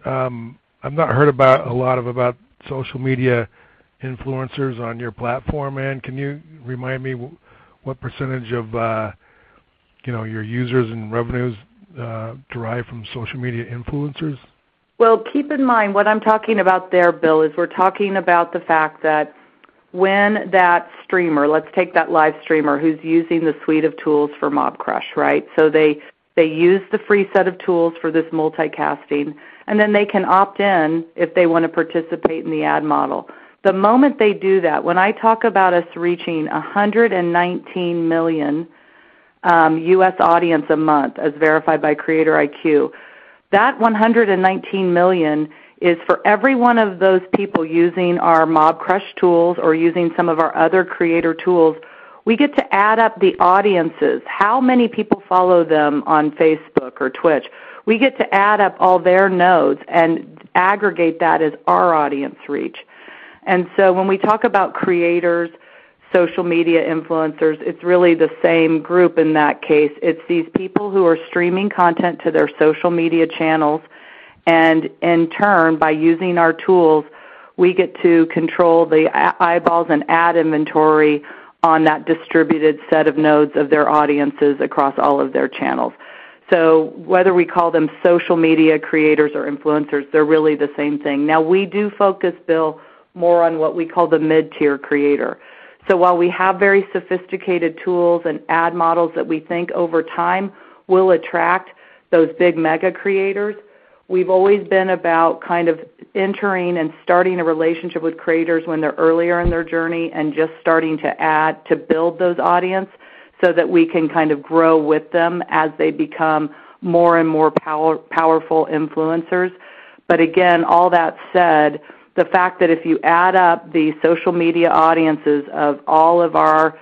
I've not heard about a lot about social media influencers on your platform. Ann, can you remind me what percentage of, you know, your users and revenues derive from social media influencers? Well, keep in mind, what I'm talking about there, Bill, is we're talking about the fact that, when that streamer, let's take that live streamer who's using the suite of tools for Mobcrush, right? They use the free set of tools for this multicasting, and then they can opt in if they wanna participate in the ad model. The moment they do that, when I talk about us reaching 119 million U.S. audience a month, as verified by CreatorIQ, that 119 million is for every one of those people using our Mobcrush tools, or using some of our other creator tools. We get to add up the audiences. How many people follow them on Facebook or Twitch? We get to add up all their nodes and aggregate that as our audience reach. When we talk about creators, social media influencers, it's really the same group in that case. It's these people who are streaming content to their social media channels. In turn, by using our tools, we get to control the eyeballs and ad inventory on that distributed set of nodes of their audiences across all of their channels. Whether we call them social media creators or influencers, they're really the same thing. Now, we do focus, Bill, more on what we call the mid-tier creator. While we have very sophisticated tools and ad models that we think over time will attract those big mega creators, we've always been about kind of entering and starting a relationship with creators when they're earlier in their journey and just starting to add to build those audience, so that we can kind of grow with them as they become more and more powerful influencers. Again, all that said, the fact that if you add up the social media audiences of all of our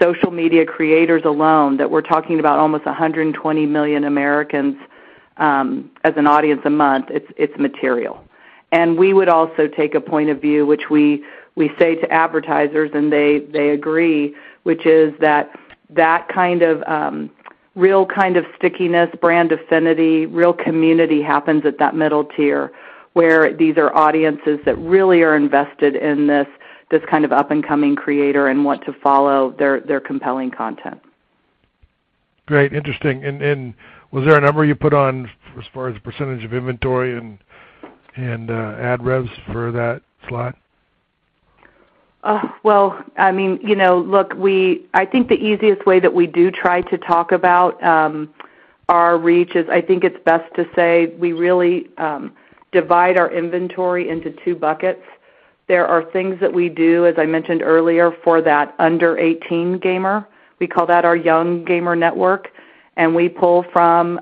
social media creators alone, that we're talking about almost 120 million Americans as an audience a month, it's immaterial. We would also take a point of view, which we say to advertisers, and they agree, which is that kind of real kind of stickiness, brand affinity, real community happens at that middle tier, where these are audiences that really are invested in this kind of up-and-coming creator and want to follow their compelling content. Great. Interesting. Was there a number you put on, as far as percentage of inventory and ad revs, for that slot? Well, I mean, you know, look, I think the easiest way that we do try to talk about our reach is I think it's best to say we really divide our inventory into two buckets. There are things that we do, as I mentioned earlier, for that under-18 gamer. We call that our young gamer network, and we pull from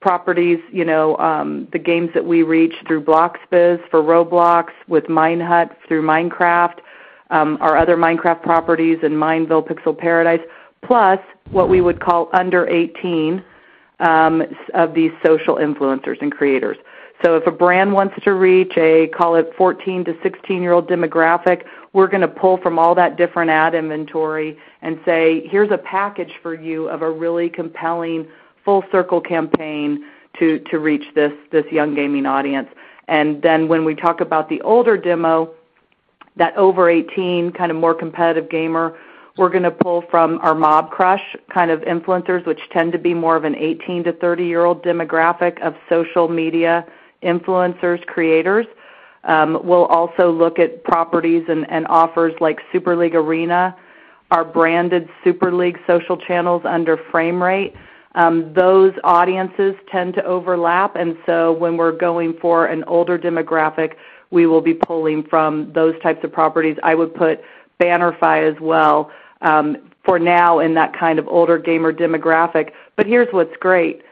properties, you know, the games that we reach through Bloxbiz for Roblox, with Minehut through Minecraft, our other Minecraft properties in Mineville, Pixel Paradise, plus what we would call under 18 of these social influencers and creators. If a brand wants to reach a, call it, 14-16-year-old demographic, we're gonna pull from all that different ad inventory and say, "Here's a package for you of a really compelling full circle campaign to reach this young gaming audience." When we talk about the older demo, that over 18 kind of more competitive gamer, we're gonna pull from our Mobcrush kind of influencers, which tend to be more of an 18- to 30-year-old demographic of social media influencers, creators. We'll also look at properties and offers like Super League Arena, our branded Super League social channels under Framerate. Those audiences tend to overlap. When we're going for an older demographic, we will be pulling from those types of properties. I would put Bannerfy as well, for now in that kind of older gamer demographic. Here's what's great.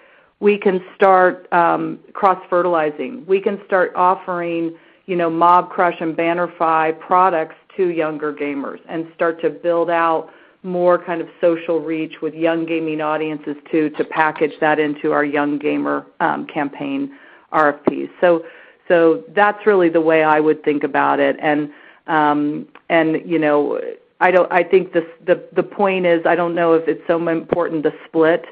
We can start cross-fertilizing. We can start offering, you know, Mobcrush and Bannerfy products to younger gamers, and start to build out more kind of social reach with young gaming audiences, too, to package that into our young gamer campaign RFPs. So that's really the way I would think about it. You know, I think the point is, I don't know if it's so important to split,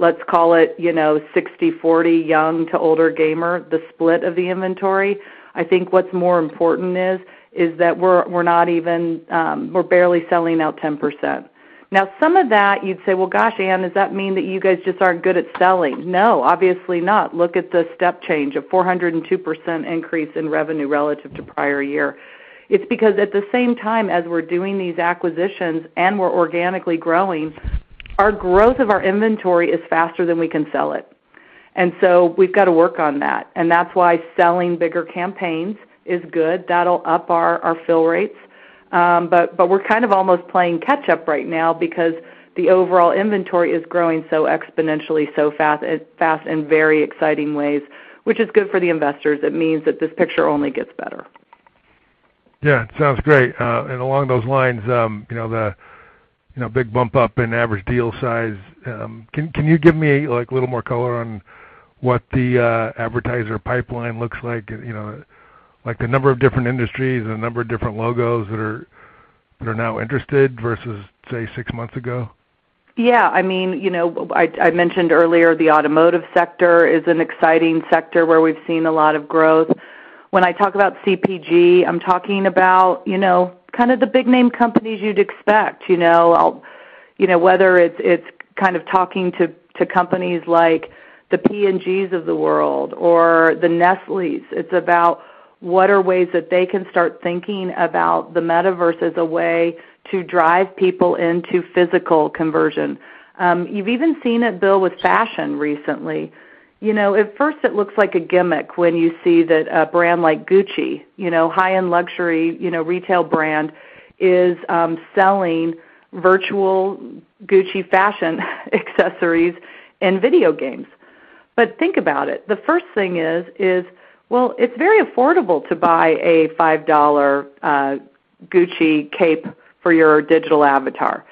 let's call it, you know, 60/40 young to older gamer, the split of the inventory. I think what's more important is that we're not even barely selling out 10%. Now, some of that you'd say, "Well, gosh, Ann, does that mean that you guys just aren't good at selling?" No, obviously not. Look at the step change of 402% increase in revenue relative to prior year. It's because at the same time as we're doing these acquisitions and we're organically growing, our growth of our inventory is faster than we can sell it. We've got to work on that. That's why selling bigger campaigns is good. That'll up our fill rates. But we're kind of almost playing catch up right now because the overall inventory is growing so exponentially, so fast in very exciting ways, which is good for the investors. It means that this picture only gets better. Yeah, it sounds great. Along those lines, you know, the big bump up in average deal size, can you give me, like, a little more color on what the advertiser pipeline looks like? You know, like the number of different industries and the number of different logos that are now interested versus, say, six months ago. Yeah. I mean, you know, I mentioned earlier the automotive sector is an exciting sector where we've seen a lot of growth. When I talk about CPG, I'm talking about, you know, kind of the big name companies you'd expect. You know, whether it's kind of talking to companies like the P&Gs of the world or the Nestlés. It's about what are ways that they can start thinking about the Metaverse as a way to drive people into physical conversion. You've even seen it, Bill, with fashion recently. You know, at first it looks like a gimmick when you see that a brand like Gucci, you know, high-end luxury, you know, retail brand is selling virtual Gucci fashion accessories in video games. But think about it. The first thing is, well, it's very affordable to buy a $5 Gucci cape for your digital avatar.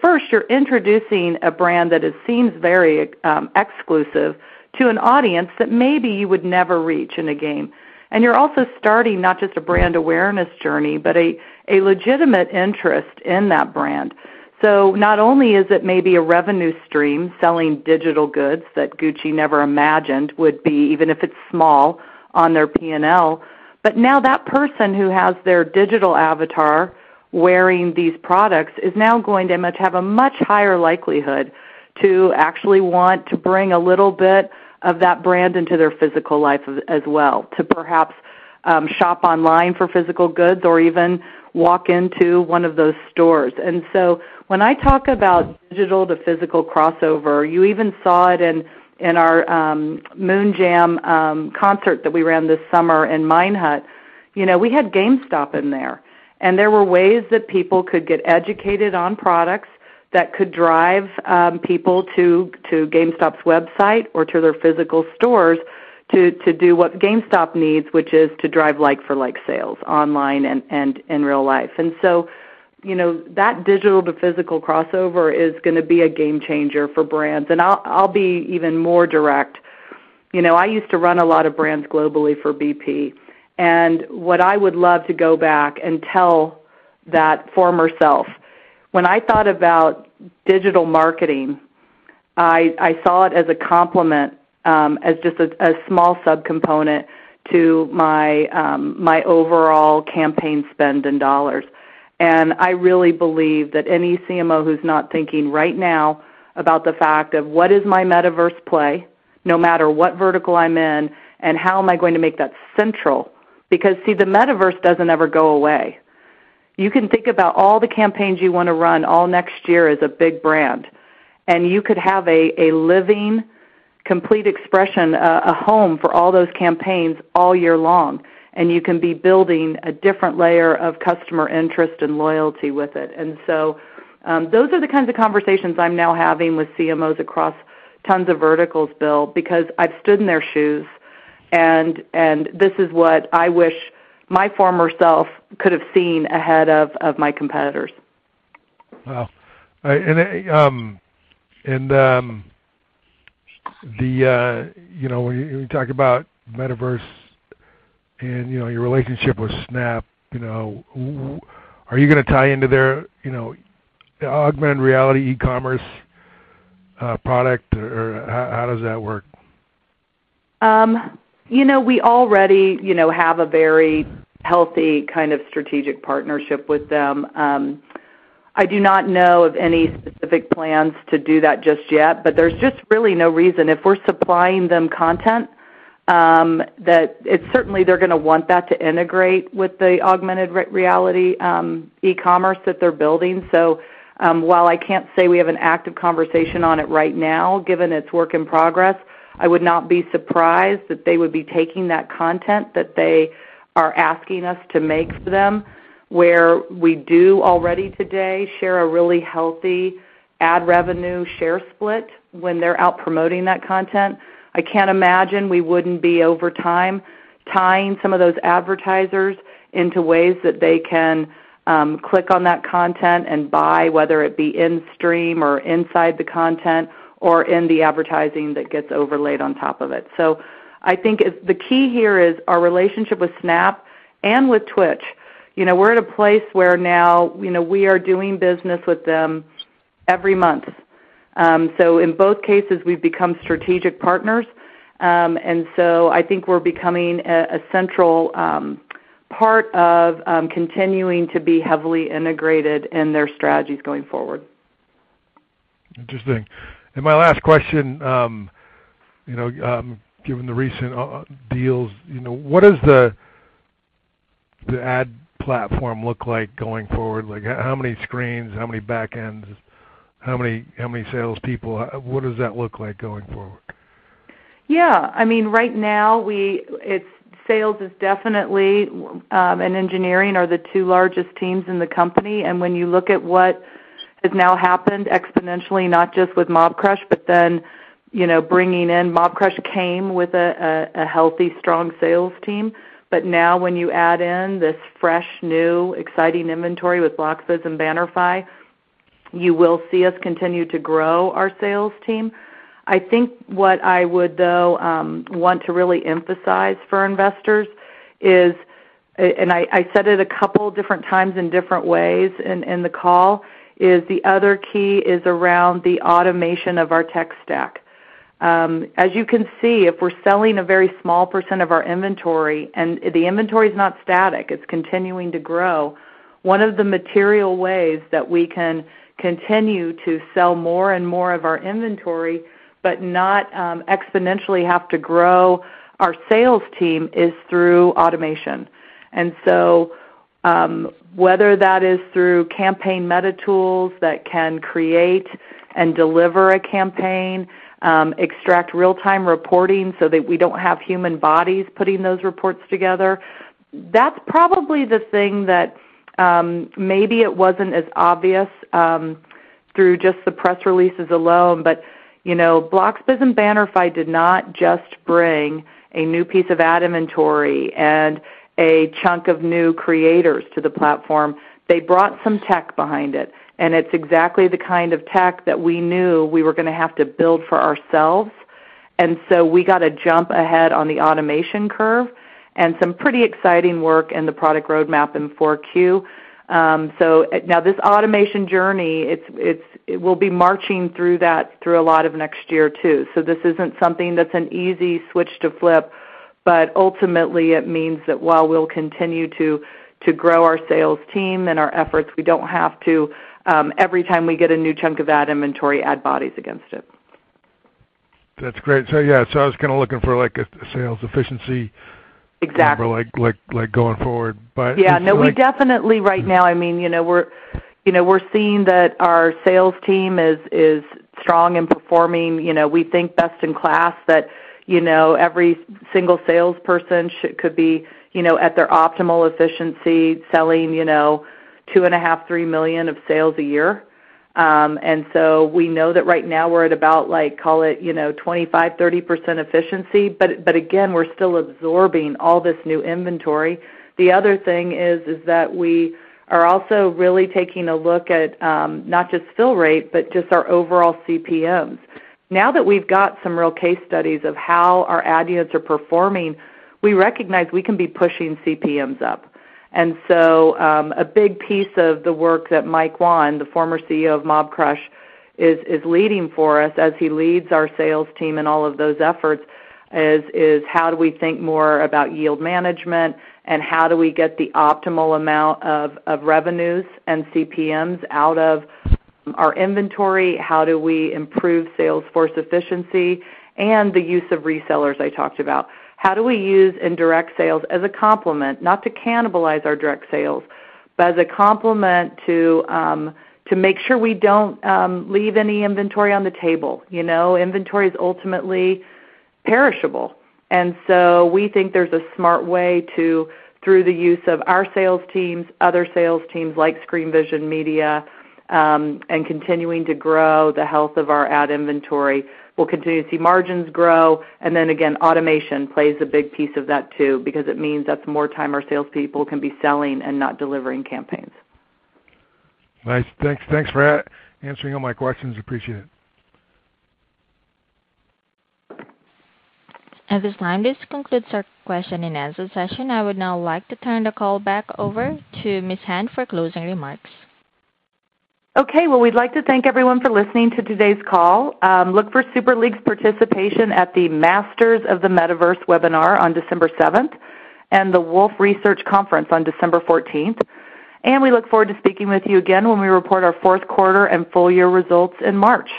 First, you're introducing a brand that it seems very exclusive to an audience that maybe you would never reach in a game. You're also starting not just a brand awareness journey, but a legitimate interest in that brand. Not only is it maybe a revenue stream selling digital goods that Gucci never imagined would be, even if it's small, on their P&L, but now that person who has their digital avatar wearing these products is now going to have a much higher likelihood to actually want to bring a little bit of that brand into their physical life as well, to perhaps shop online for physical goods or even walk into one of those stores. When I talk about digital to physical crossover, you even saw it in our Moon Jam concert that we ran this summer in Minehut. You know, we had GameStop in there, and there were ways that people could get educated on products that could drive people to GameStop's website or to their physical stores to do what GameStop needs, which is to drive like-for-like sales online and in real life. You know, that digital to physical crossover is gonna be a game changer for brands. I'll be even more direct. You know, I used to run a lot of brands globally for BP. What I would love to go back and tell that former self, when I thought about digital marketing, I saw it as a complement, as just a small subcomponent to my overall campaign spend in dollars. I really believe that any CMO who's not thinking right now about the fact of what is my Metaverse play, no matter what vertical I'm in, and how am I going to make that central? Because, see, the Metaverse doesn't ever go away. You can think about all the campaigns you wanna run all next year as a big brand, and you could have a living, complete expression, a home for all those campaigns all year long, and you can be building a different layer of customer interest and loyalty with it. Those are the kinds of conversations I'm now having with CMOs across tons of verticals, Bill, because I've stood in their shoes and this is what I wish my former self could have seen ahead of my competitors. Wow. You know, when you talk about the Metaverse and your relationship with Snap, you know, are you gonna tie into their augmented reality e-commerce product, or how does that work? You know, we already, you know, have a very healthy kind of strategic partnership with them. I do not know of any specific plans to do that just yet, but there's just really no reason. If we're supplying them content, that it's certainly they're gonna want that to integrate with the augmented reality, e-commerce that they're building. While I can't say we have an active conversation on it right now, given its work in progress, I would not be surprised that they would be taking that content that they are asking us to make for them, where we do already today share a really healthy ad revenue share split when they're out promoting that content. I can't imagine we wouldn't be over time tying some of those advertisers into ways that they can click on that content and buy, whether it be in-stream or inside the content or in the advertising that gets overlaid on top of it. I think the key here is our relationship with Snap and with Twitch. You know, we're at a place where now, you know, we are doing business with them every month. In both cases, we've become strategic partners. I think we're becoming a central part of continuing to be heavily integrated in their strategies going forward. Interesting. My last question, you know, given the recent deals, you know, what does the ad platform look like going forward? Like how many screens, how many backends, how many sales people? What does that look like going forward? Yeah. I mean, right now it's sales is definitely, and engineering are the two largest teams in the company. When you look at what has now happened exponentially, not just with Mobcrush, but then, you know, bringing in Mobcrush came with a healthy, strong sales team. Now when you add in this fresh, new, exciting inventory with Bloxbiz and Bannerfy, you will see us continue to grow our sales team. I think what I would, though, want to really emphasize for investors is, and I said it a couple different times in different ways in the call, is the other key is around the automation of our tech stack. As you can see, if we're selling a very small percent of our inventory and the inventory is not static, it's continuing to grow. One of the material ways that we can continue to sell more and more of our inventory, but not exponentially have to grow our sales team is through automation, whether that is through campaign meta tools that can create and deliver a campaign, extract real-time reporting so that we don't have human bodies putting those reports together. That's probably the thing that maybe it wasn't as obvious through just the press releases alone. You know, Bloxbiz and Bannerfy did not just bring a new piece of ad inventory and a chunk of new creators to the platform. They brought some tech behind it, and it's exactly the kind of tech that we knew we were gonna have to build for ourselves. We got a jump ahead on the automation curve and some pretty exciting work in the product roadmap in 4Q. Now this automation journey, we'll be marching through that through a lot of next year too. This isn't something that's an easy switch to flip. Ultimately, it means that while we'll continue to grow our sales team and our efforts, we don't have to every time we get a new chunk of ad inventory, add bodies against it. That's great. Yeah, so I was kinda looking for like a sales efficiency- Exactly. ...like going forward. It seems like- Yeah, no, we definitely right now, I mean, you know, we're seeing that our sales team is strong and performing, you know, we think, best in class. That, you know, every single salesperson should be, you know, at their optimal efficiency selling, you know, $2.5-$3 million of sales a year. We know that right now we're at about like, call it, you know, 25%-30% efficiency. We're still absorbing all this new inventory. The other thing is that we are also really taking a look at, not just fill rate, but just our overall CPMs. Now that we've got some real case studies of how our ad units are performing, we recognize we can be pushing CPMs up. A big piece of the work that Mike Wann, the former CEO of Mobcrush, is leading for us as he leads our sales team in all of those efforts, is how do we think more about yield management, and how do we get the optimal amount of revenues and CPMs out of our inventory? How do we improve sales force efficiency and the use of resellers I talked about? How do we use indirect sales as a complement, not to cannibalize our direct sales, but as a complement to make sure we don't leave any inventory on the table. You know, inventory is ultimately perishable. We think there's a smart way to, through the use of our sales teams, other sales teams like Screenvision Media, and continuing to grow the health of our ad inventory. We'll continue to see margins grow, and then again, automation plays a big piece of that too, because it means that's more time our salespeople can be selling and not delivering campaigns. Nice. Thanks for answering all my questions. Appreciate it. At this time, this concludes our question-and-answer session. I would now like to turn the call back over to Ms. Hand for closing remarks. Okay. Well, we'd like to thank everyone for listening to today's call. Look for Super League's participation at the Masters of the Metaverse webinar on December 7th, and the Wolfe Research Conference on December 14th. We look forward to speaking with you again when we report our fourth quarter and full year results in March.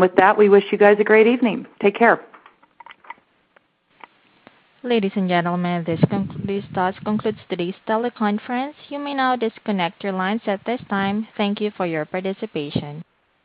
With that, we wish you guys a great evening. Take care. Ladies and gentlemen, this does conclude today's teleconference. You may now disconnect your lines at this time. Thank you for your participation.